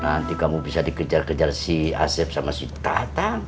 nanti kamu bisa dikejar kejar si asep sama si tatan